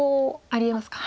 ありえますか。